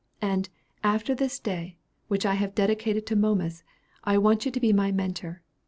And, after this day, which I have dedicated to Momus, I want you to be my Mentor.